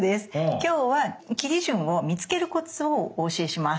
今日は切り順を見つけるコツをお教えします。